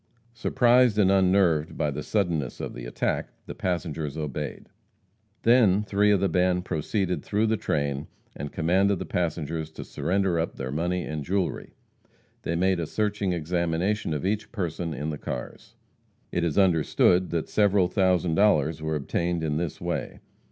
Surprised and unnerved by the suddenness of the attack, the passengers obeyed. Then three of the band proceeded through the train and commanded the passengers to surrender up their money and their jewelry. They made a searching examination of each person in the cars. It is understood that several thousand dollars were obtained in this way.